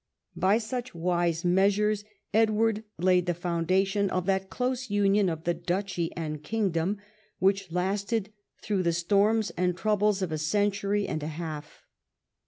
By such wise measures Edward laid the foundation of that close union of the duchy and kingdom which lasted through the storms and troubles of a century and a half.